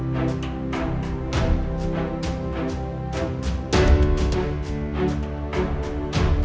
sus jaga baby baiknya